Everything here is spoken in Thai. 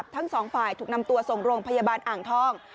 ทั้งสองฝ่ายถูกนำตัวส่งโรงพยาบาลอ่างทอง